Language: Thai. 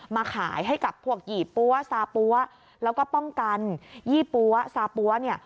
มาขายให้กับพวกยี่ปั๊วซาปั๊วแล้วก็ป้องกันยี่ปั๊วซาปั๊วเนี่ย